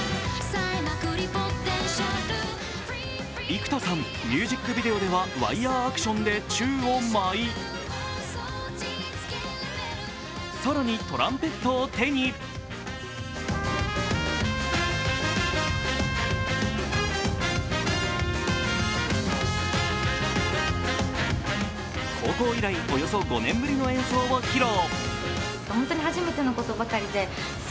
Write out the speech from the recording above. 幾田さん、ミュージックビデオではワイヤーアクションで宙を舞い、更にトランペットを手に高校以来およそ５年ぶりの演奏を披露。